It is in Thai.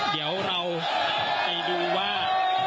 เดี๋ยวเราไปดูว่า